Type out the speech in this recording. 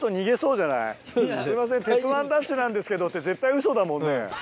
「すいません『鉄腕！ＤＡＳＨ‼』なんですけど」って絶対ウソだもんね。